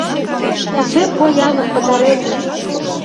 «Кузе пояным пытарет!»